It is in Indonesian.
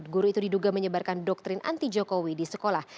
guru itu diduga menyebarkan doktrin anti jokowi di sekolah